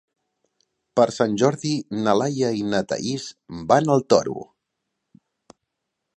Per Sant Jordi na Laia i na Thaís van al Toro.